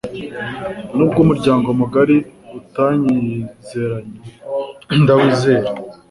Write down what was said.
nubwo umuryango mugari utanyizeranjye ndawizera